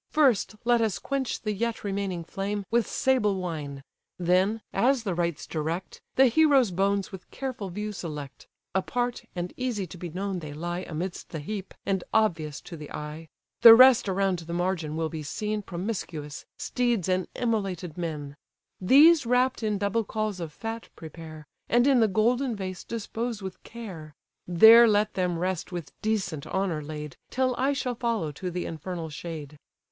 First let us quench the yet remaining flame With sable wine; then, as the rites direct, The hero's bones with careful view select: (Apart, and easy to be known they lie Amidst the heap, and obvious to the eye: The rest around the margin will be seen Promiscuous, steeds and immolated men:) These wrapp'd in double cauls of fat, prepare; And in the golden vase dispose with care; There let them rest with decent honour laid, Till I shall follow to the infernal shade.